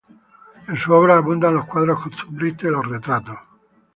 En su obra abundan los cuadros costumbristas y los retratos.